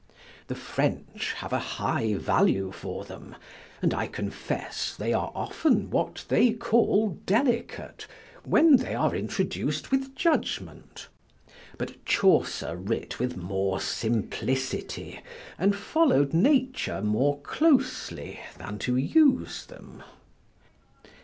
The French have a high value for them; and I confess, they are often what they call delicate, when they are introduced with judgment; but Chaucer writ with more simplicity, and followed nature more closely, than to use them.